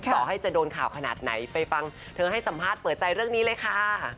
ต่อให้จะโดนข่าวขนาดไหนไปฟังเธอให้สัมภาษณ์เปิดใจเรื่องนี้เลยค่ะ